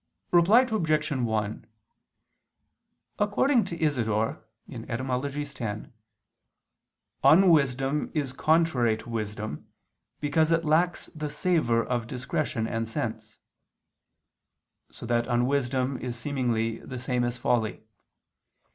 Reply Obj. 1: According to Isidore (Etym. x), "unwisdom is contrary to wisdom because it lacks the savor of discretion and sense"; so that unwisdom is seemingly the same as folly.